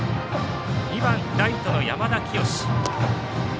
２番ライトの山田陽紫。